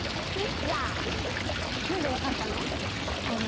なんでわかったの？